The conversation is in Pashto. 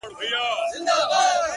حدِاقل چي ته مي باید پُخلا کړې وای،